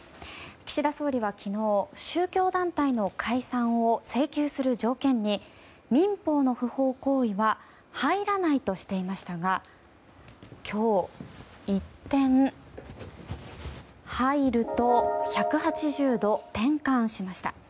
岸田総理は昨日宗教団体の解散を請求する条件に民法の不法行為は入らないとしていましたが今日、一転入ると１８０度転換しました。